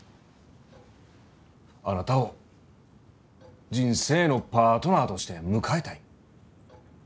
あなたを人生のパートナーとして迎えたい。